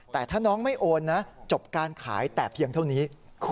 แต่ถ้าน้องไม่โอนนะจบการขายแต่เพียงเท่านี้